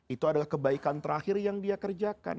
itu adalah kebaikan terakhir yang dia kerjakan